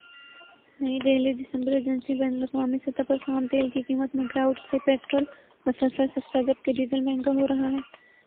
نئی دہلی دسمبرایجنسی بین الاقوامی سطح پر خام تیل کی قیمت میں گراوٹ سے پٹرول مسلسل سستا جبکہ ڈیزل مہنگا ہو رہا ہے